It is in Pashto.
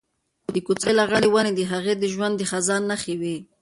د کوڅې لغړې ونې د هغې د ژوند د خزان نښې وې.